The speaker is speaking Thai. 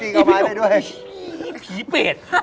สิพี่โอ้โฮที่ผีเปช